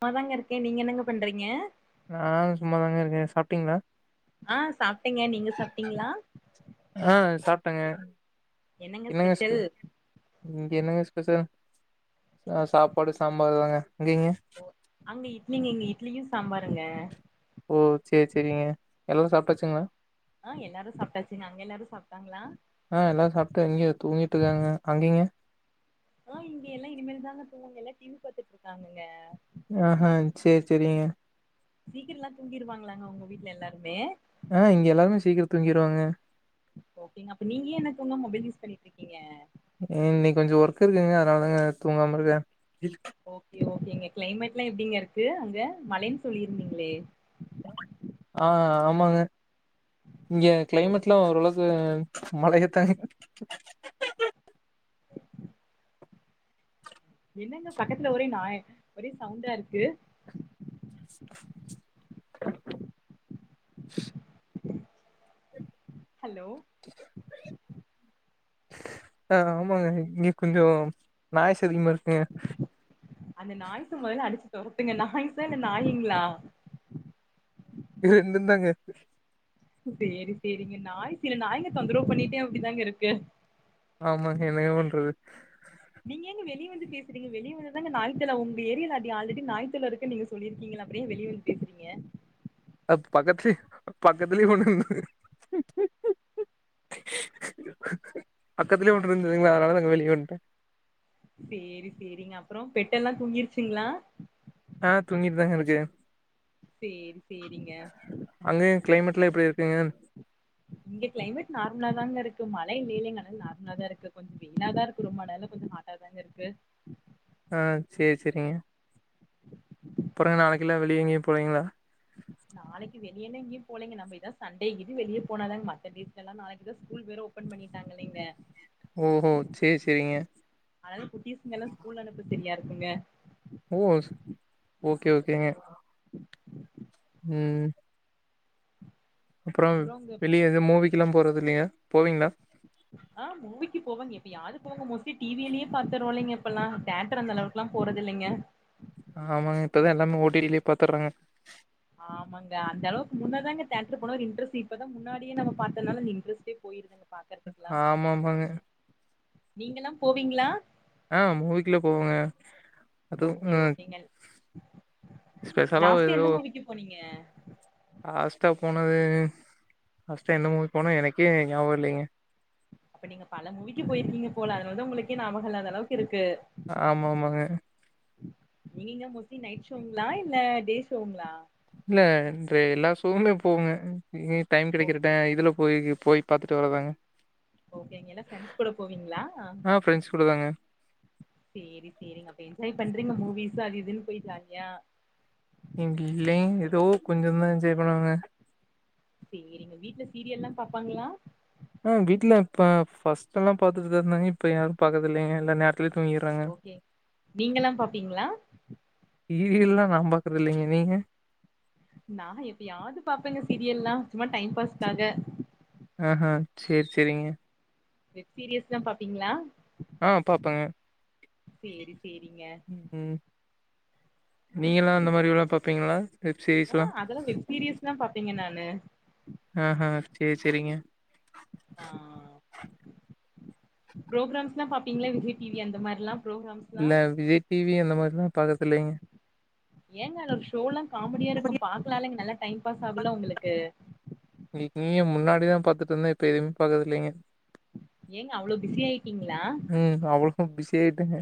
ம்மாதாங்க இருக்கே நீங்க என்னங்க பண்றீங்க நானு சும்மாதாங்க இருக்கே சாப்ட்டீங்ளா ஆ சாப்ட்டேங்க நீங்க சாப்ட்டீங்களா ஆ சாப்ட்டேங்க என்னங்க சொல்ல இங்க என்னங்க ஸ்பெஷலு அ சாப்பாடு சாம்பார் தாங்க அங்கேங்க ஓ, அங்க இட்லிங்க இங்க இட்லியு சாம்பாருங்க ஓ சேரி சேரிங்க எல்லாரு சாப்ட்டாச்சுங்களா ஆ எல்லாரு சாப்ட்டாச்சுங்க அங்க எல்லாரு சாப்ட்டாங்ளா ஆ எல்லாரு சாப்ட்டு இங்க தூங்கிட்டு இருக்காங்க அங்கேங்க ஆ இங்க எல்லா இனிமேல்தாங்க தூங்குவாங்க எல்லா டி வி பாத்துட்ருக்காங்கங்க ஆ ஹா சேரி சேரிங்க சீக்கிர எல்லா தூங்கிருவாங்களாங்க உங்க வீட்ல எல்லாருமே ஆ இங்க எல்லாருமே சீக்கிர தூங்கிருவாங்க ஓகேங்க அப்ப நீங்க ஏ இன்ன தூங்காம மொபைல் யூஸ் பண்ணிட்ருக்கீங்க அ இன்னைக்கு கொஞ்ச ஒர்க் இருக்குங்க அதனாலதாங்க தூங்காம இருக்கே ஓகே ஓகேங்க கிளைமேட்லா எப்டிங்க இருக்கு அங்க மழைன் சொல்லிருந்தீங்களே ஆ ஆமாங்க இங்க ஓகே ஓ கிளைமேட்லா ஓரளவு அ மழையத் தாங்க என்னங்க பக்கத்துல ஒரே நாய் ஒரே சவுண்டா இருக்கு ஹலோ ஆ ஆமாங்க இங்க கொஞ்ச நாய்ஸ் அதிகமா இருக்குங்க அந்த நாய்ஸ மொதல்ல அடிச்சு தொரதுங்க நாய்ஸ இல்ல நாயுங்ளா ரெண்டு தாங்க சேரி சேரிங்க நாய் சில நாய்ங்க தொந்தரவு பண்ணிட்டே அப்டிதாங்க இருக்கு ஆமாங்க என்னங்க பண்றது நீங்க ஏங்க வெளிய வந்து பேசுறீங்க வெளிய வந்தாதாங்க நாய்த் தொல்ல ஒங்க ஏரியால அப்டி ஆல்ரெடி நாய்த் தொல்ல இருக்குன் நீங்க சொல்லிருக்கீங்கள அப்ற ஏ வெளிய வந் வந்து பேசுறீங்க அது பக்கத்துலே பக்கத்துலே ஒன்னு இரு பக்கத்துலயே ஒன்னு இருந்ததுங்களா அதனால நாங்க வெளியே வந்துட்டே சேரி சேரிங்க அப்பறோ பெட்டெல்லா தூங்கிருச்சுங்களா ஆ தூங்கிட்டு தாங்க இருக்கு சேரி சேரிங்க அங்கயு கிளைமேட் எல்லா எப்டி இருக்குங்க இங்க கிளைமேட் நார்மலா தாங்க இருக்கு மழையு இல்லங்க நார்மலா தா இருக்கு கொஞ்சோ வெயிலாதா இருக்கு ரொம்ப நாளா கொஞ்ச அதாங்க இருக்கு ஆ சேரி சேரிங்க அப்றோ நாளைக்குல்லா வெளிய எங்கயு போறீங்களா நாளைக்கு வெளியேல்லா எங்கேயு போலேங்க நம்ம எங்கயாவது சண்டே வெளியே போன நாளைக்கு ஸ்கூல் வெறு பண்ணிட்டாங்கலேங்கள ஓஹோ சேரி சேரிங்க அதனால குட்டீஸ்ங்கெல்லா ஸ்கூல் அனுப்ப சரியா இருக்குங்க ஓ ஓகே ஓகேங்க [inaudible] ம் அப்றோ வெளியே எது மூவிக்கெல்லா போறது இல்லையா போவிங்களா ஆ மூவிக்கு போவங்க எப்பயாவது போவே மோஸ்லி டிவிலேயே பாத்திருவோ இல்லைங்கள இப்பல்லா தேட்டர் அந்த அளவுக்குலா போறது இல்லைங்க ஆமாங்க இப்போத எல்லாம ஓடிடிலேயே பாத்துடுறாங்க ஆமாங்க அந்தளவுக்கு முன்ன தான்ங்க தேட்டர் போனா ஒரு இன்ட்ரஸ்ட் இப்போ தா முன்னாடியே நம்ம பாத்ததுனால அந்த இன்டரெஸ்ட்டே போயிருதுங்க பா ஆமா ஆமாங்க நீங்க எல்லா போவீங்களா ஆ மூவிக்கெல்லா போவங்க ஓகே ஓகேங்க ஸ்பெஷலா லாஸ்ட ஏதோ எந்த மூவிக்கு போனீங்க லாஸ்ட்டா போனது லாஸ்ட்டா எந்த மூவிக்கு போனோம்னு எனக்கே ஞாபகோ இல்லைங்க அப்ப நீங்க பல மூவிக்கு போயிருக்கீங்க போல அதனால தா உங்களுக்கே ஞாபகோ இல்லாத அளவுக்கு இருக்கு ஆமா ஆமாங்க நீங்க மோஸ்லி நைட் ஷோங்களா இல்ல டே ஷோங்களா இல்ல எல்லா ஷோவுமே போவோக ஏ டைம் ஓகே கிடைக்கிறட்டே இதுல போய் போய பாத்துட்டு வரதாங்க ஓகே நீங்க எல்லா ஃப்ரெண்ட்ஸ் கூட போவீங்களா ஆ ஃப்ரெண்ட்ஸ் கூட தாங்க. சேரி சேரிங்க அப்ப என்ஜாய் பண்றீங்க மூவிஸ் அது இதுன்னு போய் ஜாலியா இல்ல ஏதோ கொஞ்சோ தா என்ஜாய் பண்ணுவாங்க சேரிங்க வீட்ல சீரியல்லா பாப்பாங்களா ஆ வீட்ல இப்ப ஃபர்ஸ்ட் எல்லா பாத்துட்டு தா இருந்தாங்க இப்ப யாரு பாக்கறது இல்லைங்க இல்லே ம் தூங்கிடுறாங்க ஓகே நீங்கல்லா பாப்பீங்களா சீரியல் எல்லா நா பாக்குறது இல்லைங்க நீங்க நா எப்பயாவது பாப்பபேங்க சீரியல்லா சும்மா டைம் பாஸ்காக ஆ ஹா சேரி சேரிங்க வெப் சீரீஸ்ல்லா பாப்பீங்களா ஆ பாப்பேங்க சேரி சேரிங்க ம் நீங்க எல்லா அந்த மாதிரில்லா பாப்பீங்களா ஆ அதெல்லா வெப் சீரிஸ் தா பாப்பேங்க நானு ஆ ஹ சேரி சேரிங்க ஆ புரோகராம்ஸ்ல்லா பாப்பீங்களா விஜய் டிவி அந்த மாதிரில்லா புரோகராம்ஸ்ல்லா இல்ல விஜய் டிவி அந்த மாதிரில்லா பாக்கறத்தில்லைங்க ஏங்க அதுல ஒரு ஷோல்லா காமெடியாருக்கு பாக்கலாம்ங்க நல்லா டைம் பாஸ்சாகுல உங்களுக்கு இல்லிங்க முன்னாடிதா பாத்துட்டுந்தருந்த இப்ப எதுமே பாக்கற இல்லிங்க ஏங்க அவ்ளோ பிஸியாட்டீங்ளா ம் அவ்ளோ பிஸியாயிட்டேங்க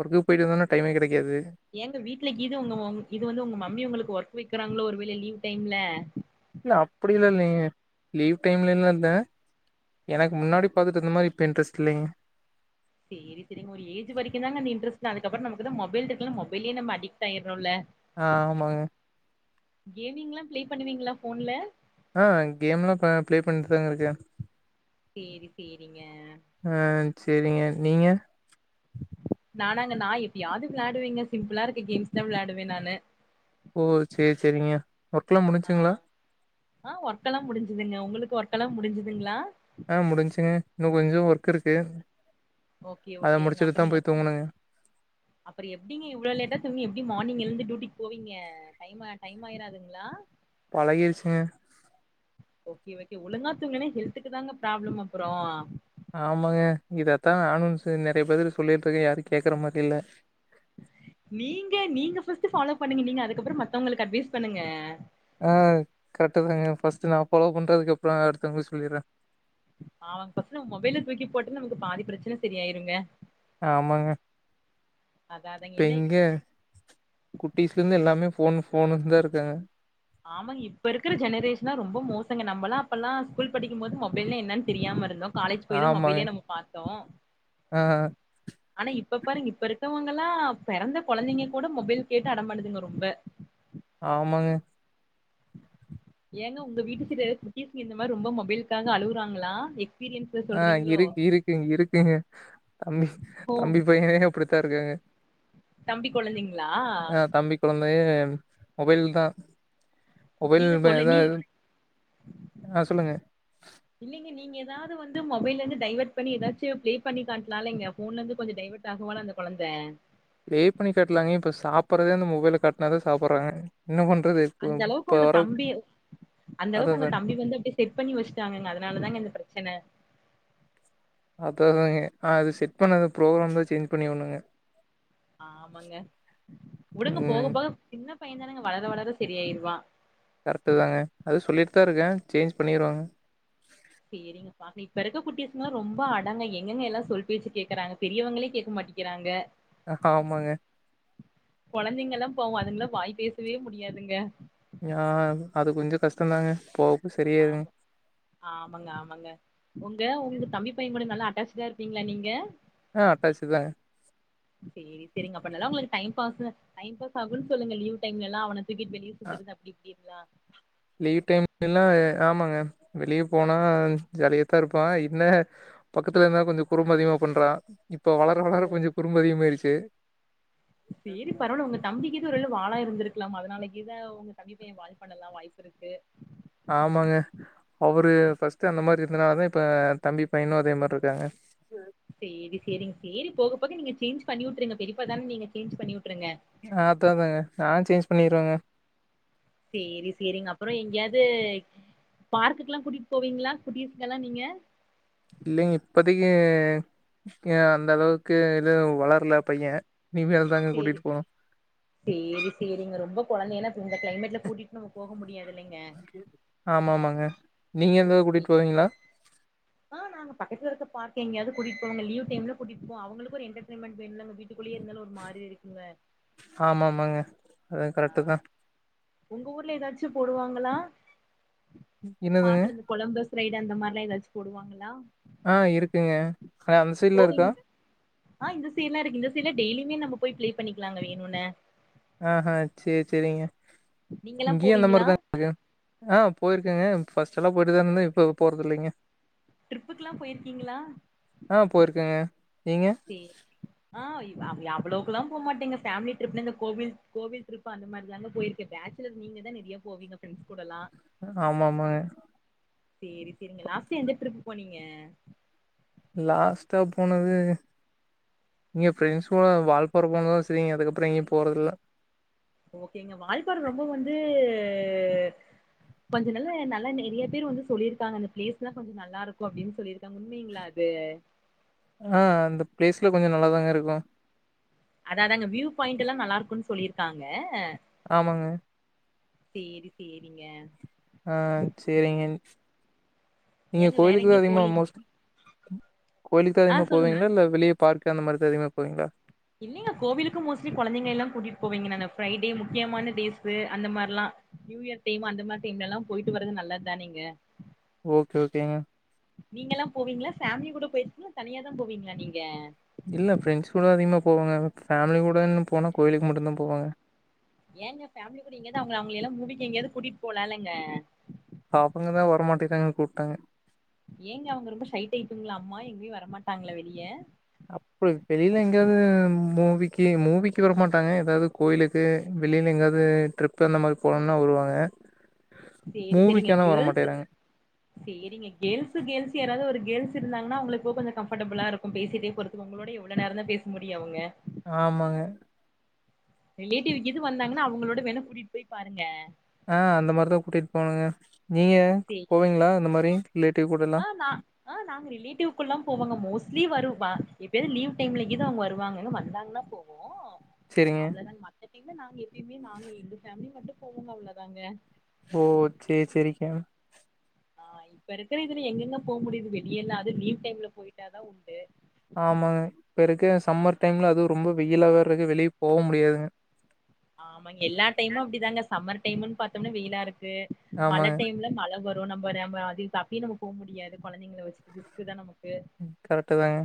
ஒர்க்கு போயிட்டு வந்தோனா டைம்மே கெடைக்காது எங்க வீட்லக்கீது ஒங்க இது வந்து ஒங்க மம்மி ஒங்களுக்கு ஒர்க் வைக்கிறாங்களோ ஒரு வேள லீவ் டைம்ல இல்ல அப்டிலா இல்லிங்க லீவ் டைம்லல்ல எனக்கு முன்னாடி பாத்துட்டுருந்த மாதிரி இப்ப இன்ட்ரஸ்ட் இல்லைங்க சேரி செரிங்க ஒரு ஏஜ் வரைக்குந்தாங்க அந்த இன்டரெ்ஸ்ட் அதுப்பறோ நமக்குதா மொமபைல் இருக்குல்ல மொபைலே நம்ம அடிக்ட்டாயிறோல்ல ஆ ஆமாங்க கேமிங்லா பிளே பண்ணுவீங்ளா ஃபோன்ல ஆ கேம்லா அ பிளே பண்ட்டுதாங்க இருக்கே சேரி சேரிங்க ஆ சேரிங்க நீங்க நானாங்க நா எப்பயாவது வெள்ளாடுவேங்க சிம்பிளா இருக்க கேம்ஸ் தா வெள்ளாடுவே நானு ஓ சேரி சேரிங்க ஒர்க்லா முடிஞ்சுங்களா ஆ ஒர்க்கெல்லா முடிஞ்சதுங்க உங்களுக்கு ஒர்க்ல்லா முடிஞ்சுதுங்களா ஆ முடிஞ்சுங்க இன்னு கொஞ்ச ஒர்க் இருக்கு ஓகே அத ஓகேங்க முடிச்சுட்டு அப்ப தா நீங்க போய் தூங்கணுங்க அப்பறோ எப்பிடிங்க இவ்ளோ லேட்டா தூங்கி எப்டி மார்னிங் எழுந்து டூட்டிக்கி போவீங்க அ டைம டைமாயிராதுங்ளா பழகிருச்சுங்க ஓகே ஓகே ஒழுங்கா துங்கலனா ஹெல்த்துக்கு தாங்க ப்ராப்ளோ அப்றோ ஆமாங்க இதத்தா நானு நறைய பேருக்கு சொல்லிட்ருக்கே யாரு கேக்கற மாரில்ல நீங்க நீங்க ஃபஸ்ட் ஃபாலோ பண்ணுங்க நீங்க அதுக்கப்பறோ மத்தவங்களுக்கு அட்வைஸ் பண்ணுங்க ஆ கரெட்டுதாங்க ஃபஸ்ட் நா ஃபாலோ பண்றதுக்கப்பறோ அடுத்தவங்களுக்கு சொல்லிட்றே அவங்கொசரோ மொபைல்ல தூக்கி போட்டுன்னு நமக்கு பாதி பிரச்சன சரியாயிருங்க ஆமாங்க அதா அதாங்க இப்ப என்ன எங்க குட்டிஸ்லருந்து எல்லாமே ஃபோனு ஃபோனுன்தா இருக்காங்க ஆமாங்க இப்ப இருக்குற ஜெனரேஷனா ரொம்ப மோசங்க நம்மல்லா அப்பல்லா ஸ்கூல் படிக்கும்போது மொபைல்லா என்னன்னு தெரியாம இருந்தோ காலேஜ் போயிதா ஆமாங்க. மொபைலே நம்ம போயி பாத்தோ ஆ ஆனா இப்ப பாருங்க இப்ப இருக்கவங்கல்லா பிறந்த கொழந்தைங்க கூட மொபைல் கேட்டு அட பண்ணுதுங்க ரொம்ப ஆமாங்க ஏங்க ஒங்க வீட்டுகிட்ட குட்டீஸ் இந்த மாதிரி ரொம்ப மொபைலுக்காக அழுவுறாங்ளா ஆ இருக்கு இருக்குங் இருக்குங்க தம்பி தம்பி பையனே அப்படித்தா இருக்காங்க தம்பி கொழந்தைங்ளா கொழந்தயே மொபைல் தா நீங்க மொபைல்ன்ட சொல்ல நீ எதாவுத் ஆ சொல்லுங்க இல்லிங்க நீங்க ஏதாவது வந்து மொபைல்லருந்து டைவர்ட் பண்ணி ஏதாச்சு பிளே பண்ணி காட்லால்லிங்க ஃபோன்லருந்து கொஞ்சோ டைவர்ட் ஆகுவால அந்த கொழந்த பிளே பண்ணி காட்லாங்க இப்ப சாப்பர்றதே அந்த மொபைல காட்னா தா சாப்பர்றாங்க என்ன பண்றது இப்ப அந்தளவுக்கு இப்ப ஒங்க வர தம்பி அந்தளவுக்கு அதான் ஒங்க அதான் தம்பி வந்து அப்டே செட் பண்ணி வச்சுட்டாங்கங்க அதனாலதாங்க இந்த பிரச்சன அதாதாங்க அது செட் பண்ணது ப்ரோக்ராம்தா சேஞ்ச் பண்ணியாவுணுங்க ஆமாங்க உடுங்க போக ம் போக சின்ன பைய தாங்க வளர வளர சரி ஆயிருவா கரெக்ட்டு தாங்க அது சொல்லிட்டு தா இருக்கே சேஞ்ச் பண்ணிருவாங்க சேரிங்ப்பா ஆமா இப்ப இருக்கற குட்டிஸ்ளா ரொம்ப அடங்க எங்க எல்லா சொல் பேச்ச கேக்குறாங்க பெரியவங்களே கேட்க மாட்டேங்கிறாங்க ஆமாங்க கொழந்தைங்கல்லா பாவோ அதுங்கல்லா வாய் பேசவே முடியாதுங்க அது கொஞ்சோ கஷ்டந்தாங்க போ ஆமா ஆமாங்க ஆமாங்க உங்க உங்க தம்பி பைய கூட நல்லா அட்டாச்சுடா இருப்பீங்களா நீங்க ஆ அட்டாச்சு தாங்க சேரி சேரிங்க அப்ப நல்லா உங்களுக்கு டைம் பா டைம் பாஸ் ஆகுன்னனு சொல்லுங்க லீவ் டைம்ல எல்லா அவன தூக்கிட்டு வெளியே அ சுத்துறது அப்டி இப்டிங்களா லீவ் டைம் எல்லா ஆமாங்க வெளியே போனா ஜாலியாத்தா இருப்பா என்ன பக்கத்துல இருந்தால கொஞ்சோ குறும்பு அதிகமா பண்றா இப்ப வளர ஓ வளர கொஞ்சோ குறும்பு அதிகமாயிருச்சு சேரி பரவால்ல உங்க தம்பி கீது ஒரு வேல வாழா இருந்திருக்கலா அதனால கீது உங்க தம்பி பைய அது பண்ணலா வாய்ப்பு இருக்கு ஆமாங்க அவரு ஃபஸ்ட்டு அந்த மாரி இருந்தனால தா இப்போ தம்பி பையனு அதே மாரி இருக்காங்க சேரி சேரிங்க சேரி போக போக நீங்க சேஞ்ச் பண்ணி விட்டுருங்க பெரியப்பாதானே நீங்க சேஞ்ச் பண்ணி விட்டுருங்க ஆ அதா தாங்க நா சேஞ்ச் பண்ணிருவங்க சேரி சேரிங்க அப்றோ எங்கேயாவது பார்க்கு எல்லா கூட்டிட்டு போவீங்களா குட்டிஸ்கல்லா நீங்க இல்லிங்க இப்பதைக்கி அந்த அளவுக்கு இது வளர்ல்ல பைய இனிமேல் தாங்க சேரி கூட்டிட்டு போனு சேரி சேரிங்க ரொம்ப கொழந்தைன்னா இந்த கிளைமேட்ல கூட்டிட்டு நம்ம போக முடியாது இல்லங்க ஆமா ஆமாங்க நீங்க எந்தாவது கூட்டிட்டு சேரி போவீங்களா ஆ நாங்க பக்கத்து இருக்க பார்க் எங்காவது கூட்டிட்டுங்க லீவ் டைம்ல கூட்டிட்டு போ அவங்களுக்கு ஒரு என்டர்டன்மெண்ட வேனுள்ளங்க வீட் டுக்குள்ளயே இருந்தாலு ஒரு மாரி இருக்குங்க ஆமாமாங்க அதுவு ஆ கரெக்ட்டு தா உங்க ஊர்ல ஏதாச்சு போடுவாங்களா என்னதுங்க பாட்ல இருந் கொழம்பஸ் ரைடு அந்த மாரி எல்லா ஏதாச்சு போடுவாங்களா ஆ இருக்குங்க ஆ அந்த சைட்ல போவீங் இருக்கா ஆ இந்த சைடு எல்லா இருக்கு இந்த சைட் டெய்லியுமே நம்ம போய் பிளே பண்ணிக்கலாங்க வேணுன்னே ஆ சேரி சேரிங்க நீங்கல்லா இங்கயு அந்த மாரி போவீங்களா தாங்க இருக்கு ஆ போயிருக்கங்க ஃபஸ்ட் எல்லா போயிட்டுதா இருந்தே இப்ப போறது இல்லிங்க ட்ரிப்புக்கு எல்லா போயிருக்கீங்களா ஆ போயிருக்கங்க நீங்க சேர் ஆ அவ்ளோக்கு எல்லா போ மாட்டேங்க ஃபேமிலி ட்ரிப்ல இந்த கோவில் கோவில் ட்ரிப் அந்த மாரிதாங்க போயிருக்கே ஃபேச் சிலர் நீங்க தா நெறைய போவீங்க ஃபிரெண்ட்ஸ் கூட எல்லா ஆமா ஆமாங்க சேரி சேரிங்க லாஸ்ட்டா எந்த டரிப்பு போனீங்க லாஸ்ட்டா போனது நீங்க ஃபிரண்ஸ் கூட வால்பாற போனதோட சேரிங்க அதுக்கப்றோ எங்கயு போறதில்ல ஓகேங்க வால்பாற ரொம்ப வந்து கொஞ்ச நல்ல நல்லா நெறைய பேர் வந்து சொல்லியிருக்காங்க அந்த பிளேஸ் எல்லா கொஞ்சோ நல்லா இருக்கு அப்டின்னு சொல்லிருக் உண்மிங்களா அது ஆ அந்த பிளேஸ்ல கொஞ்சோ நல்லாதாங்க இருக்கு அதா அதாங்க வியூ பாயிண்ட்ல்லா நல்லாருக்குன் சொல்லிருக்காங்க ஆமாங்க சேரி சேரிங்க ஆ சேரிங்க நீங்க ஏங்க வேற கோயிலுக்கு தா எங்கயு அதிகமா போலீங் மோஸ்ட் கோயிலுக்கு தா ஆ அதிகமா சொல்லுங்க போவீங்களா இல்ல வெளிய பார்க்கு அந்த மாரி தா அதிகமா போவிங்களா இல்லைங்க கோவிலுக்கு மோஸ்ட்லி கொழந்தைங்க எல்லா கூட்டிட்டு போவீங்க நானு பிரைடே முக்கியமான டேஸ்ஸு அந்த மாரில்லா நியூயர் டைம் அந்த மாரி டைம்லெல்லா போயிட்டு வற்றது நல்லது தானேங்க ஓகே ஓகேங்க நீங்கல்லா போவீங்களா ஃபேமிலி கூட போயசுன்னா தனியாதா போவீங்களா நீங்க இல்ல ஃப்ரெண்ட்ஸ் கூட அதிகமா போவங்க ஃபேமிலி கூடன்னு போனா கோவிலுக்கு மட்டுந்தா போவங்க ஏங்க ஃபேமிலி கூட எங்கயாவது அவுங்கள அவுங்களெல்லா மூவிக்கு எங்கயாவது கூட்டிட்டு போலால்லங்க பாப்பங்க அதா வர மாட்டிகறாங்க கூப்ட்டங்க ஏங்க அவுங்க ரொம்ப ஷை டைப்புங்களாங்க அம்மா எங்கயு வரமாட்டாங்களா வெளிய அப்படி வெளில எங்காவது மூவிக்கி மூவிக்கி வரமாட்டாங்க எதாவது கோவிலுக் க்கு வெளில எங்கயாவது ட்ரிப்பு அந்த மாரி போணுனா வருவாங்க சேரி சேரிங்க மூவிக்கலா கேர்ள்ஸ் வரமாட்டிகிறாங்க சேரிங்க கேள்ஸு கேள்ஸு யாராவது ஒரு கேள்ஸு இருந்தாங்கன்னா அவுங்களுக்கு கொஞ்சோ கன்ஃபர்டபுளா இருக்கு பேசிட்டே போற உங்களோட எவ்வளோ நேரநதா பேச முடியு அவங்க ஆமாங்க ரிலேட்டிவ் கீது வந்தாங்கன்னா அவங்களோட வேணா கூட்டியிட் போய் பாருங்க ஆ அந்த மார்தா கூட்டியிட் போணுங்க நீங்க சேரி போவீங்ளா இந்த மாரி ரிலேட்டிவ் கூடல்லா ஆ நா ஆ நாங்க ரிலேட்டிவ்குல்லா போவாங்க மோஸ்ட்லி வரு வ எப்பயாது லீவ் டைம்ல கீத அவ்ங்க வருவாங்க வந்தாங்கன்னா போவ் செரிங்க அவ்ளோதாங்க மத்த டைம்ல நாங்க எப்பயுமே நாங்க எங்க ஃபேமிலி மட்டு போவோங்க அவ்ளோதாங்க ஓ சேரி சேரிக்யா ஆ இப்ப இருக்கிற இதுல எங்கெங்க போ முடியுது வெளியல்ல அது லீவ் டைம்ல போயிட்டாதா உண்டு ஆமாங்க இப்ப இருக்க சம்மர் டைம்ல அது ரொம்ப வெயிலா வேற இருக்கு வெளியே போ முடியாதுங்க ஆமாங்க எல்லா டைமு அப்டிதாங்க சம்மர் டைம்ன் பாத்தம்னா வெயிலா இருக்கு மழ ஆமாங்க டைம்ல மழ வ ஓ நம்ப நம்ம அதிக் அப்பியே நம்ம போ முடியாது கொழந்தைங்கள வச்சிட்டு ரிஸ்க்கு தா நமக்கு ம் கரெட்டு தாங்க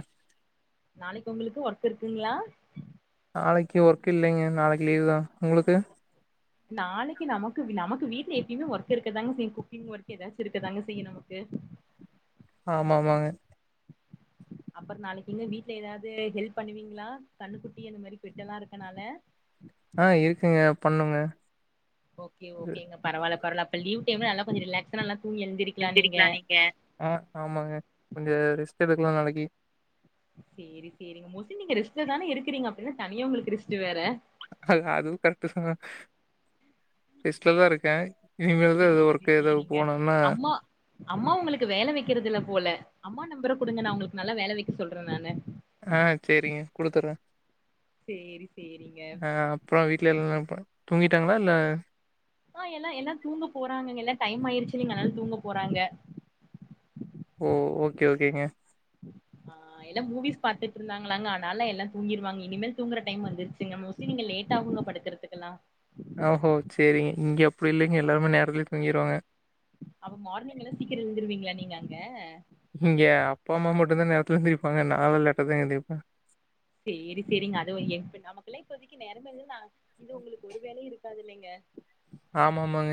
நாளைக் உங்களுகு ஒர்க் இருக்குங்களா நாளைக்கு ஒர்க் இல்லைங்க நாளைக்கு லீவ் தா உங்களுக்கு நாளைக்கு நமக்கு நமக்கு வீட்டுல எப்பிம்மே ஒர்க்கு இருக்கதாங்க செய்யு குக்கிங் ஒர்க்கு எதாச்சு இருக்குதாங்க செய்யு நமக்கு உம் ஆமா ஆமாங்க அப்பற நாளைக் எங்க வீட்ல எதாவ்து ஹெல்ப் பண்ணுவீங்களா கண்ணுகுட்டி அந்த மாரி பெட்டெல்லா இருக்கனால ஆ இருக்குங்க பண்ணுங்க ஓகே ஓகேங்க பரவால்ல பரல அப்ப லீவ் டைம்ல நல்லா கொஞ்ச ரிலக்ஸ் நல்லா தூங்கி எ ஆ ஆமாங்க கொஞ்ச ரெஸ்ட் எடுக்கலா நாளைக்கி சேரி சேரிங்க மோஸ்லி நீங்க ரேஸ்ல தானே இருக்கீறிங்க அப்ப என்ன தனியா உங்களுக்கு ரெஸ்ட்டு வேற அ அதுவு கரெக்ட்டு தாங்க ரெஸ்ட்லதா இருக்கே இனிமேல்தா எதோ சேரி ஒர்க்கு எதாவ் சேரிங்க போனம்னா அம்மா அம்மா உங்களுக்கு வேல வெக்கிறது இல்ல போல அம்மா நம்பர கொடுங்க நா உங்களுக்கு நல்லா வேல வைக்க சொல்றே நானு ஆ செரிங்க குடுத்தறே சேரி சேரிங்க ஆ அப்றோ வீட்ல எல்லா இப்ப தூங்கிட்டாங்ளா இல்ல ஆ எல்லா எல்லா தூங்க போறாங்கங்க எல்லா டைம் ஆயிருச்சுங்கில அதனால் தூங்க போறாங்க ஓ ஓகே ஓகேங்க ஆ எல்லா மூவிஸ் பாத்ட்ருந்தாங்கலாங்க ஆனால எல்லா தூங்கிருவாங்க இனிமே தூங்கற டைம் வந்துருச்சுங்க மோஸ் ச்சு நீங்க லேட்டா கூட படிக்கிறதுக்கெல்லா ஓஹோ செரி இங்க அப்டி இல்லைங்க எல்லாருமே நேரத்துலயே தூங்கிருவாங்க அப்ப மார்னிங் எல்லா சீக்கிர எழுந்திருவீங்களா நீங்க அங்க இங்க அப்பா அம்மா மட்டு தா நேரத்துல எந்திரிப்பாங்க நா லேட்டா தா எந்திரிப்ப சேரி சேரிங்க அதுவு எங் இப்ப நமக்கெல்லா இப்போதிக்கி நேரம் இல்ல ந இது உங்களுக்கு ஒரு வேல இரு காதில்லங்க ஆமாமாங்க